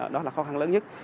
đó là khó khăn lớn nhất